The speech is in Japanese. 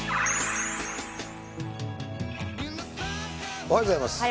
おはようございます。